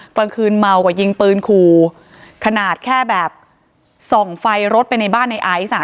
กลางคืนเมากว่ายิงปืนขู่ขนาดแค่แบบส่องไฟรถไปในบ้านในไอซ์อ่ะ